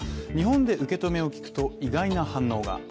日本で受け止めを聞くと意外な反応が。